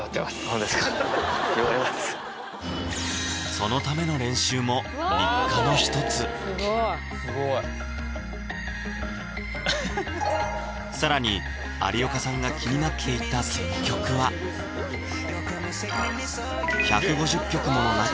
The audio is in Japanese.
そのための練習も日課の一つすごいすごいアハハ更に有岡さんが気になっていた選曲はすげえ！